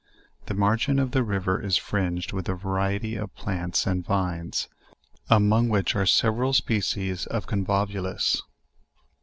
The margin of the riv er is fringed with a variety of plants and vines, among which are several species of convolvulus.